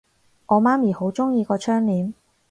我媽咪好鍾意個窗簾